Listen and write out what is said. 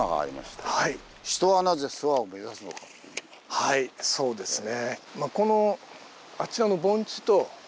はいそうですね。